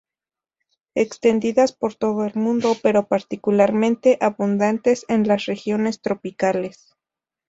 Extendidas por todo el mundo, pero particularmente abundantes en las regiones tropicales.